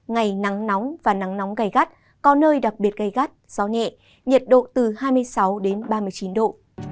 ngày nắng nóng và nắng nóng gai gắt có nơi đặc biệt gây gắt gió nhẹ nhiệt độ từ hai mươi sáu ba mươi chín độ